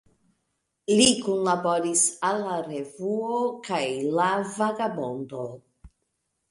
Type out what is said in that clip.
Li kunlaboris al La Revuo kaj La Vagabondo.